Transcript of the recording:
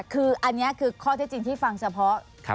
คืออันนี้คือข้อเท็จจริงที่ฟังเฉพาะ